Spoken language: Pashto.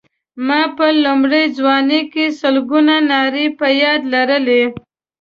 ما په لومړۍ ځوانۍ کې سلګونه نارې په یاد لرلې.